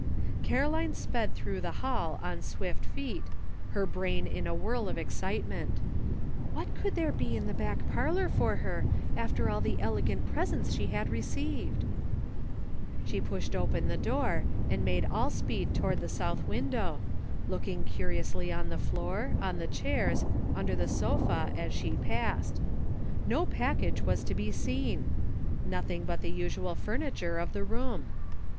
Caroline sped through the hall on swift feet, her brain in a whirl of wonderment. " What could there be in the back parlor for her, after all the elegant presents she had received ?" She pushed open the door and made all speed toward the south window, looking curiously on the floor, on the chairs, under the sofa as she passed. No package was to be seen ; nothing *'MEBBY CHBISTMAS.'' 317 but the usual furniture of the room.